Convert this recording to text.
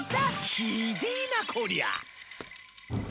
ひでえなこりゃ